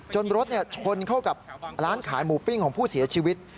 รถชนเข้ากับร้านขายหมูปิ้งของผู้เสียชีวิต